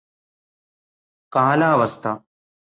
കാലാവസ്ഥ